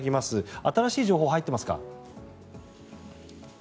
新しい情報入ってますか？